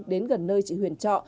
đến gần nơi chị huyền trọ